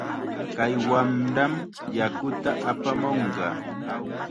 Kay wamram yakuta apamunqa.